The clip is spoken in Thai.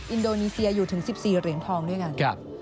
อินโดนีเซียอยู่ถึง๑๔เหรียญทองด้วยกัน